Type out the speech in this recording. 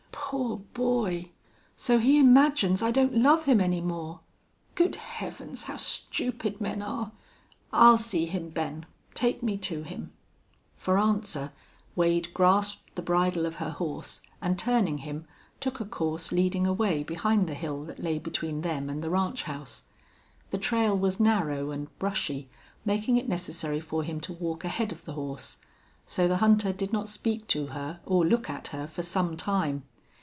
"Poor boy! So he imagines I don't love him any more? Good Heavens! How stupid men are!... I'll see him, Ben. Take me to him." For answer, Wade grasped the bridle of her horse and, turning him, took a course leading away behind the hill that lay between them and the ranch house. The trail was narrow and brushy, making it necessary for him to walk ahead of the horse. So the hunter did not speak to her or look at her for some time.